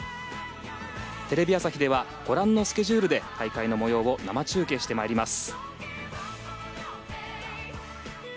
テレビ朝日ではご覧のスケジュールで大会の模様を生中継してまいります。